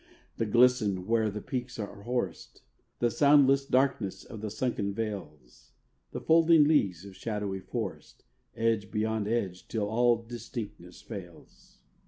The glisten where the peaks are hoarest, The soundless darkness of the sunken vales, The folding leagues of shadowy forest, Edge beyond edge till all distinctness fails.